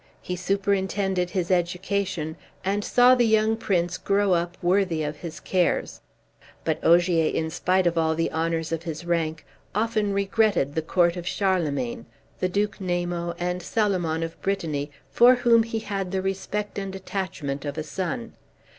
He superintended his education, and saw the young prince grow up worthy of his cares. But Ogier, in spite of all the honors of his rank, often regretted the court of Charlemagne, the Duke Namo, and Salomon of Brittany, for whom he had the respect and attachment of a son.